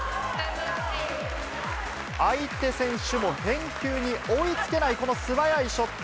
相手選手も返球に追いつけない、この素早いショット。